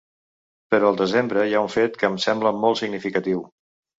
Però al desembre hi ha un fet que em sembla molt significatiu.